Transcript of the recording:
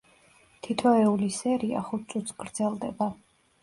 თითოეული სერია ხუთ წუთს გრძელდება.